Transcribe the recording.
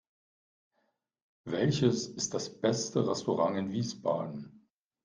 Welches ist das beste Restaurant in Wiesbaden?